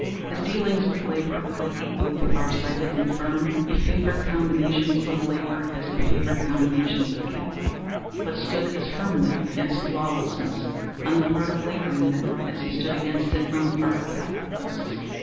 "His dealings with labor were equally far sighted and firm. He favored combinations of labor as he favored combinations of capital, but stood as firmly against lawlessness on the part of laboring men as he stood against it on the part of capitalists.